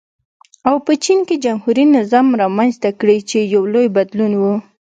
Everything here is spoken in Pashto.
او په چین کې جمهوري نظام رامنځته کړي چې یو لوی بدلون و.